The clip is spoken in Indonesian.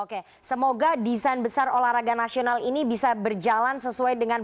oke semoga desain besar olahraga nasional ini bisa berjalan sesuai dengan